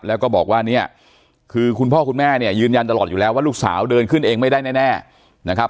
แล้วก็บอกว่าเนี่ยคือคุณพ่อคุณแม่เนี่ยยืนยันตลอดอยู่แล้วว่าลูกสาวเดินขึ้นเองไม่ได้แน่นะครับ